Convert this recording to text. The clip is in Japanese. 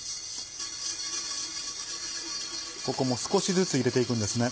ここも少しずつ入れて行くんですね。